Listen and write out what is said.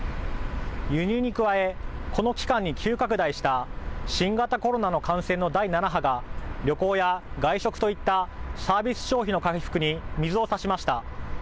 輸入に加えこの期間に急拡大した新型コロナの感染の第７波が旅行や外食といったサービス消費の回復に水をさしました。